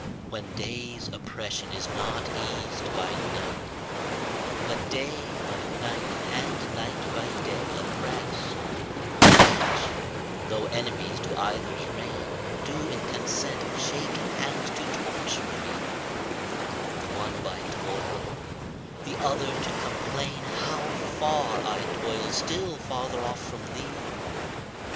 When day's oppression is not eas'd by night, But day by night and night by day oppress'd, And each, though enemies to either's reign, Do in consent shake hands to torture me, The one by toil, the other to complain How far I toil, still farther off from thee.